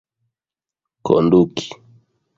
konduki